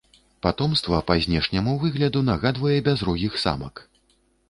Патомства па знешняму выгляду нагадвае бязрогіх самак.